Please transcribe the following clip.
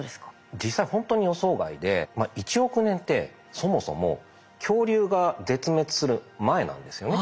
実際ほんとに予想外で１億年ってそもそも恐竜が絶滅する前なんですよね。